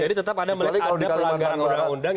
jadi tetap ada pelagaran undang undang